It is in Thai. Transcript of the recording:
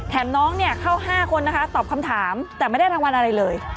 น้องเนี่ยเข้า๕คนนะคะตอบคำถามแต่ไม่ได้รางวัลอะไรเลย